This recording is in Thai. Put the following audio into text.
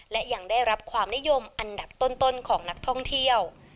และยังได้รับความนิยมอันดับต้นของนักท่องเที่ยว